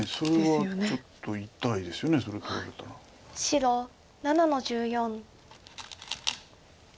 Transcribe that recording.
白７の十四。